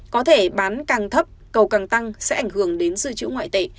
có thể bán càng thấp cầu càng tăng sẽ ảnh hưởng đến dự trữ ngoại tệ